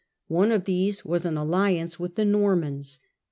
One of these was an alliance with the Normans.